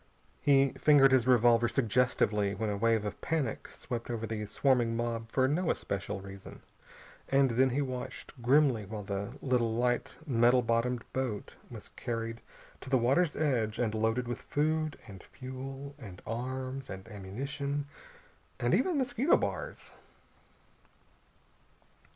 He fingered his revolver suggestively when a wave of panic swept over the swarming mob for no especial reason. And then he watched grimly while the light little metal bottomed boat was carried to the water's edge and loaded with food, and fuel, and arms, and ammunition, and even mosquito bars.